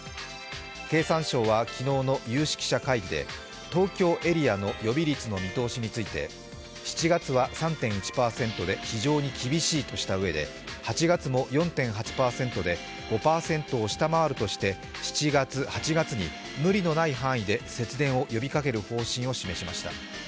経産省は昨日の有識者会議で東京エリアの予備率の見通しについては７月は３．１％で非常に厳しいとしたうえで８月も４．８％で５％を下回るとして７月、８月に無理のない範囲で節電を呼びかける方針を示しました。